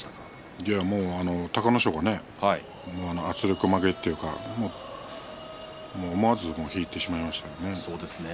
いやもう隆の勝がね圧力負けというか思わず引いてしまいましたね。